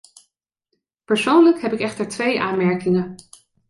Persoonlijk heb ik echter twee aanmerkingen.